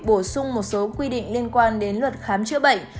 bổ sung một số quy định liên quan đến luật khám chữa bệnh